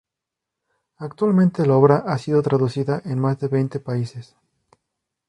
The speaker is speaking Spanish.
Actualmente la obra ha sido traducida en más de veinte países.